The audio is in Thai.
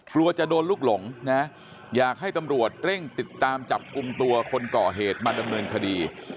กลัวจะโดนลูกหลงนะอยากให้ตำรวจเร่งติดตามจับกลุ่มตัวคนก่อเหตุมาดำเนินคดี